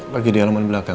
lagi di alaman belakang